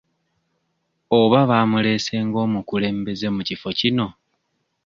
Oba baamuleese ng'omukulembeze mu kifo kino?